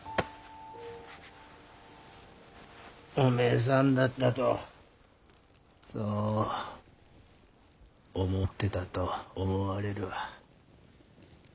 おめえさんだったとそう思ってたと思われるわ。